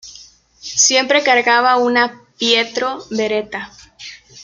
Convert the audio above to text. Siempre cargaba una Pietro Beretta".